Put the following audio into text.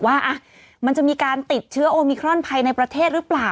ว่ามันจะมีการติดเชื้อโอมิครอนภายในประเทศหรือเปล่า